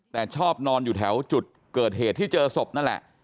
แต่ชอบนอนอยู่แถวจุดเกิดเหตุที่เจอศพนั่นแหละ